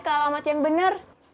ke alamat yang bener